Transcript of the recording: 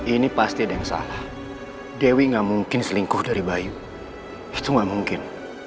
ini pasti ada yang salah dewi gak mungkin selingkuh dari bayu itu nggak mungkin